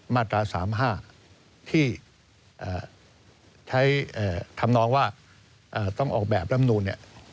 มาตรา๓๕ที่ทำนองว่าต้องออกแบบรัฐมนุน